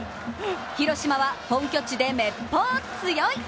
広島は本拠地でめっぽう強い！